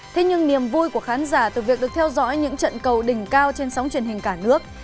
thế nhưng niềm vui của khán giả từ việc được theo dõi những trận cầu đỉnh cao trên sóng truyền hình cả nước